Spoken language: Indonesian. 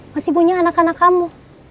masih punya anak anak kamu